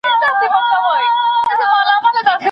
په الاهو راغلی خوبه خو چي نه تېرېدای